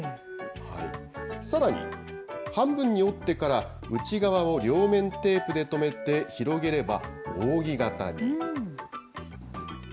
さらに半分に折ってから、内側を両面テープでとめて、広げれば、扇形に。